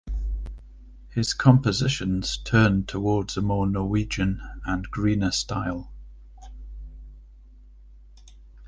His compositions turned towards a more Norwegian and "greener" style.